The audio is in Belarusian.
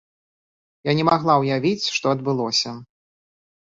Я не магла ўявіць, што адбылося.